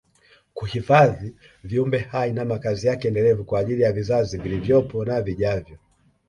kuhifadhi viumbe hai na makazi yake endelevu kwa ajili ya vizazi vilivyopo na vijavyo